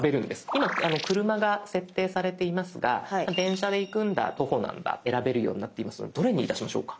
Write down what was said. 今車が設定されていますが電車で行くんだ徒歩なんだ選べるようになっていますのでどれにいたしましょうか？